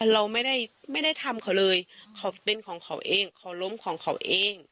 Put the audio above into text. เราไม่ได้ทำเขาเลยเขาเป็นของเขาเองเขาล้มของเขาเอง